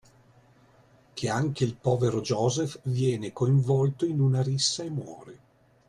Che anche il povero Joseph viene coinvolto in una rissa e muore.